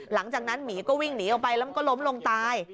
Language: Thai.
หลังจากนั้นหมีก็วิ่งหนีออกไปแล้วก็ล้มลงตาย